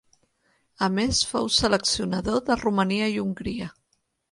A més fou seleccionador de Romania i Hongria.